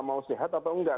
mau sehat atau enggak